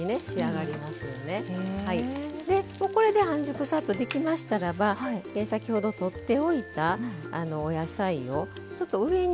でこれで半熟さっとできましたらば先ほどとっておいたお野菜をちょっと上に更に。